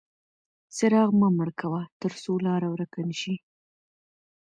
څراغ مه مړ کوه ترڅو لاره ورکه نه شي.